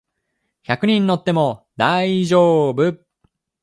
百人乗っても大丈夫